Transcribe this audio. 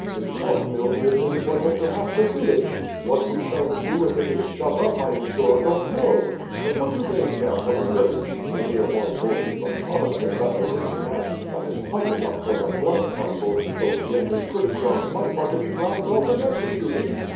His cloth mill gives employment to half the village. What we shall do if it is shut up I am sure I don't know. But what do they care for the village? Mynheer Von Bost is a Protestant and a rich man that is quite enough for the Blood Council; so he and his pretty young wife are to be dragged off and executed."